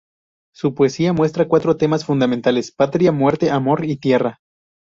Su poesía muestra cuatro temas fundamentales: patria, muerte, amor y tierra.